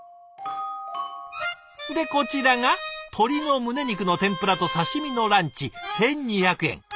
でこちらが鶏の胸肉の天ぷらと刺身のランチ１，２００円。